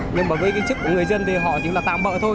nhưng mà với cái chức của người dân thì họ chính là tạm bỡ thôi